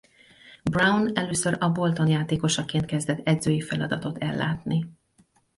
Brown először a Bolton játékosaként kezdett edzői feladatot ellátni.